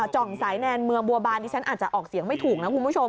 จ่องสายแนนเมืองบัวบานดิฉันอาจจะออกเสียงไม่ถูกนะคุณผู้ชม